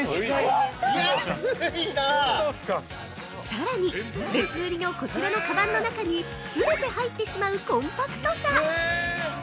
◆さらに別売りのこちらのカバンの中にすべて入ってしまうコンパクトさ！